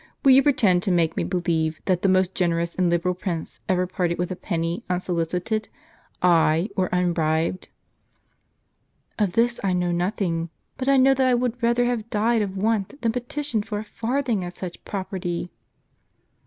Will you pretend to make me believe, that this most generous and liberal prince ever parted with a penny unsolicited, ay, or unbribed ?"" Of this I know nothing. But I know, that I aa^ouM rather have died of want than petitioned for a farthing of such property